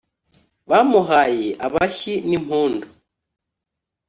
bamuhaye abashyi n’impundu